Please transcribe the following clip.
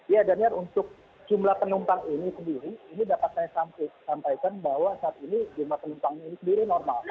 ya daniar untuk jumlah penumpang ini sendiri ini dapat saya sampaikan bahwa saat ini jumlah penumpangnya ini sendiri normal